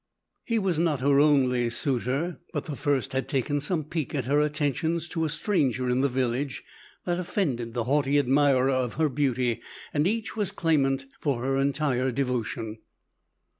He was not her only suitor, but the first had taken some pique at her attentions to a stranger in the village, that offended the haughty admirer of her beauty, and each was claimant for her entire devotion.